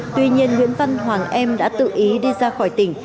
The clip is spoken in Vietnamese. tuy nhiên nguyễn văn hoàng em đã tự ý đi ra khỏi tỉnh